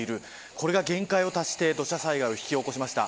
これが限界を達して土砂災害を引き起こしました。